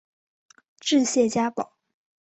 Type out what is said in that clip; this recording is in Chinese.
治谢家堡。